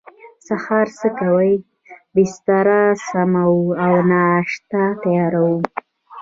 سهار څه کوئ؟ بستره سموم او ناشته تیاروم